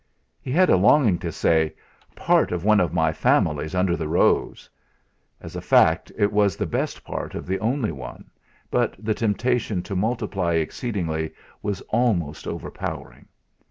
He had a longing to say: 'Part of one of my families under the rose.' As a fact it was the best part of the only one, but the temptation to multiply exceedingly was almost overpowering.